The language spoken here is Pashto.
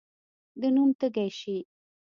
د نوم تږی شي.